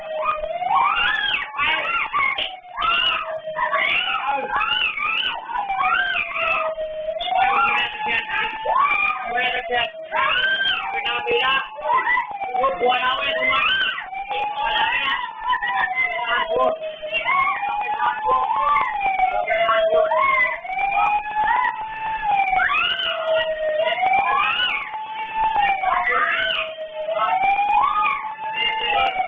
วุ้นโหยออกมาละเย็นบอร์แล้วเนี่ย